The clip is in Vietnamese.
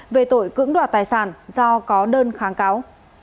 về tội cưỡng đoạt tài sản do có đơn kháng cáo